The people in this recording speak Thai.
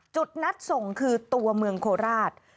จุดนัดส่งคือตัวเมืองโคราช